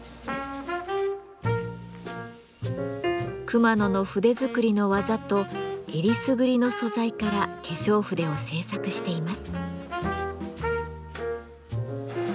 熊野の筆作りの技とえりすぐりの素材から化粧筆を製作しています。